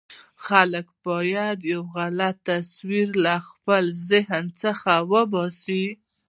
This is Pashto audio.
خلک باید یو غلط تصور له خپل ذهن څخه وباسي.